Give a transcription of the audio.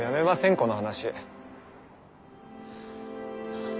この話。